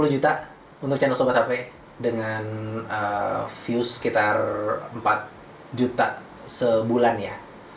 dua puluh juta untuk channel sobat hp dengan views sekitar empat juta sebulan ya